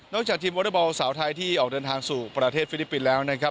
จากทีมวอเตอร์บอลสาวไทยที่ออกเดินทางสู่ประเทศฟิลิปปินส์แล้วนะครับ